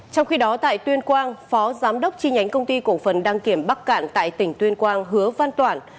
trong khi đó tại tuyên quang phó giám đốc chi nhánh công ty cổ phần đăng kiểm bắc cạn tại tỉnh tuyên quang hứa văn toản